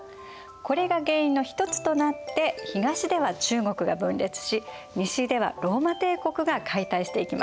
これが原因の一つとなって東では中国が分裂し西ではローマ帝国が解体していきます。